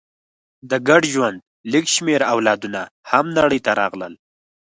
د ګډ ژوند لږ شمېر اولادونه هم نړۍ ته راغلل.